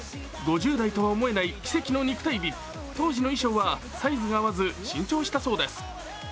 ５０代とは思えない奇跡の肉体、当時の衣装はサイズが合わず新調したそうです。